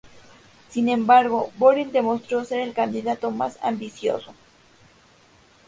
Sin embargo, Boril demostró ser el candidato más ambicioso.